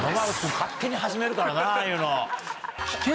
勝手に始めるからなああいうの。